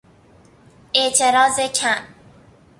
اعتراض کم